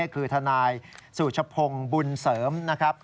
คือทนายสุชพงศ์บุญเสริมนะครับ